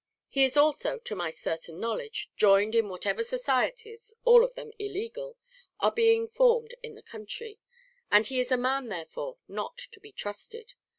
He is also, to my certain knowledge, joined in whatever societies all of them illegal are being formed in the country; and he is a man, therefore, not to be trusted.